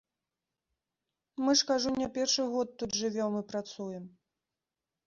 Мы ж, кажу, не першы год тут жывём і працуем.